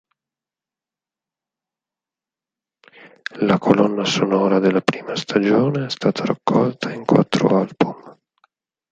La colonna sonora della prima stagione è stata raccolta in quattro album.